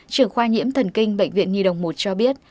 trưởng khoa nhiễm thần kinh bệnh viện nhi đồng một cho biết